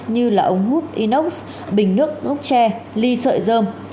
như là ống hút inox bình nước gốc tre ly sợi dơm